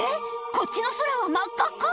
こっちの空は真っ赤っ赤！